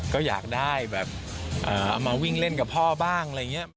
ก็อยากได้เอามาวิ่งเล่นกับพ่อบ้าง